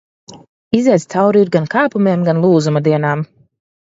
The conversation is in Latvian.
Iziets cauri ir gan kāpumiem, gan lūzuma dienām.